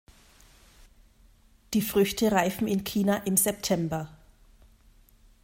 Die Früchte reifen in China im September.